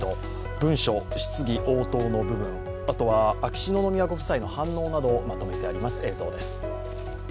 文書、質疑応答の部分、あとは、秋篠宮ご夫妻の反応などもまとめてあります。